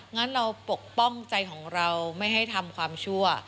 งั้นเราปกป้องใจของเราไม่ให้ทำความชั่ว